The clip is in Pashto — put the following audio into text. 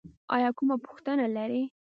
ایا کومه پوښتنه لرئ؟